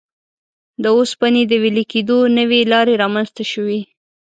د اوسپنې د وېلې کېدو نوې لارې رامنځته شوې.